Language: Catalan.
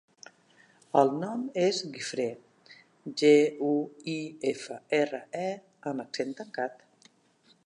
El nom és Guifré: ge, u, i, efa, erra, e amb accent tancat.